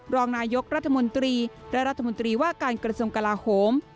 รองนายกรัฐมนตรีและรัฐมนตรีว่าการกระทรวงกลาโหม